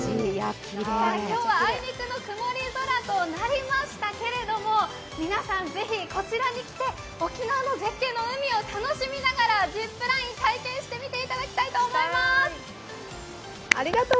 今日はあいにくの曇り空となりましたけれども、皆さん、ぜひこちらに来て沖縄の絶景の海を楽しみながら、ジップライン、体験してもらいたいと思います。